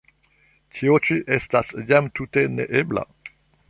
Tio ĉi estas jam tute ne ebla!